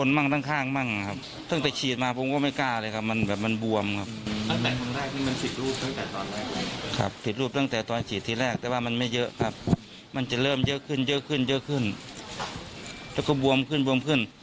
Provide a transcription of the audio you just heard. แล้วก็บวมขึ้นบวมขึ้น